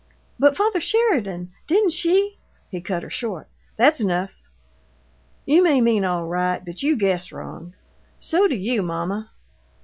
"But, father Sheridan, didn't she " He cut her short. "That's enough. You may mean all right, but you guess wrong. So do you, mamma."